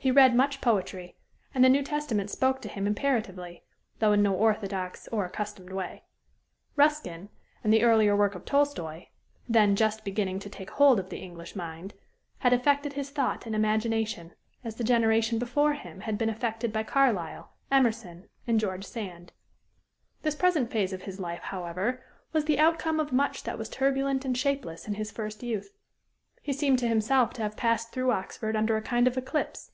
He read much poetry, and the New Testament spoke to him imperatively, though in no orthodox or accustomed way. Ruskin, and the earlier work of Tolstoy, then just beginning to take hold of the English mind, had affected his thought and imagination, as the generation before him had been affected by Carlyle, Emerson, and George Sand. This present phase of his life, however, was the outcome of much that was turbulent and shapeless in his first youth. He seemed to himself to have passed through Oxford under a kind of eclipse.